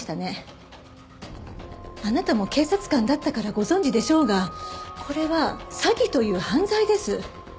あなたも警察官だったからご存じでしょうがこれは詐欺という犯罪です。